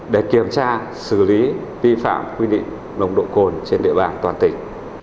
để kiểm tra xử lý vi phạm quy định nồng độ cồn trên địa bàn toàn tỉnh